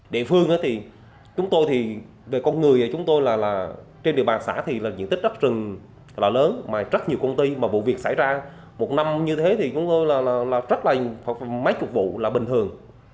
địa phương thì chúng tôi thì về con người chúng tôi là trên địa bàn xã thì là diện tích rất rừng là lớn mà rất nhiều công ty mà vụ việc xảy ra một năm như thế thì chúng tôi là rất là mấy chục vụ là bình thường